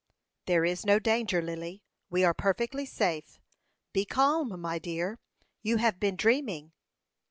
"There is no danger, Lily. We are perfectly safe. Be calm, my dear. You have been dreaming."